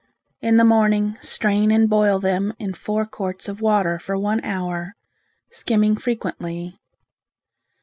In the morning strain and boil them in four quarts of water for one hour, skimming frequently.